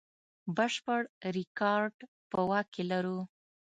بشپړ ریکارډ په واک کې لرو.